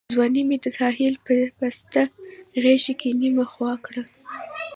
ځواني مي د ساحل په پسته غېږ کي نیمه خوا کړه